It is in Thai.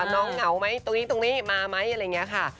น้องเหงาไหมตรงนี้มาไหมอะไรอย่างนี้ค่ะ